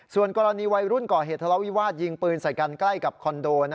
ส่วนกรณีวัยรุ่นก่อเหตุทะเลาวิวาสยิงปืนใส่กันใกล้กับคอนโด